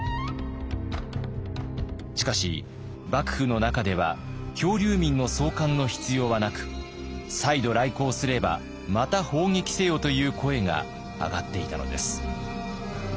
しかし幕府の中では漂流民の送還の必要はなく再度来航すればまた砲撃せよという声が上がっていたのです。